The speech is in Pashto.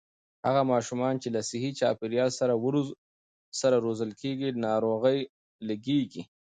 هغه ماشومان چې له صحي چاپېريال سره روزل کېږي، ناروغۍ لږېږي.